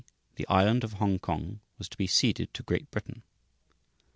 The Island of Hongkong was to be ceded to Great Britain.